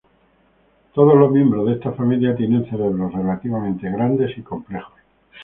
Todos los miembros de esta familia tienen cerebros relativamente grandes y complejos.